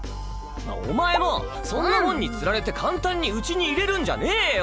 お前もそんなモンに釣られて簡単に家に入れるんじゃねぇよ！